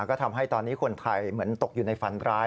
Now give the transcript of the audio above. ก็ทำให้ตอนนี้คนไทยเหมือนตกอยู่ในฝันร้าย